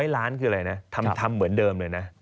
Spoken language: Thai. ๐ล้านคืออะไรนะทำเหมือนเดิมเลยนะ